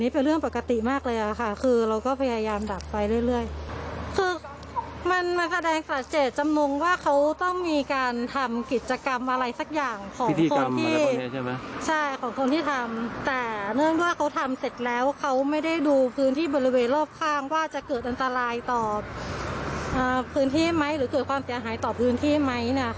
พื้นที่ไหมหรือเกิดความเสียหายต่อพื้นที่ไหม